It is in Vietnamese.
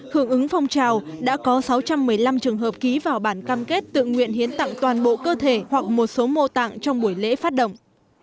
hưởng ứng phong trào đã có sáu trăm một mươi năm trường hợp ký vào bản cam kết tự nguyện hiến tặng toàn bộ cơ thể hoặc một số mô tạng trong buổi lễ phát động